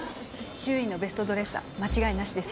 衆院のベストドレッサー間違いなしですよ。